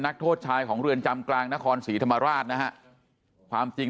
นักโทษชายของเรือนจำกลางนครศรีธรรมราชนะฮะความจริง